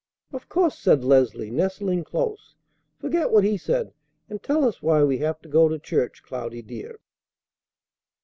"Of course!" said Leslie, nestling close. "Forget what he said, and tell us why we have to go to church, Cloudy, dear."